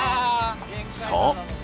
そう！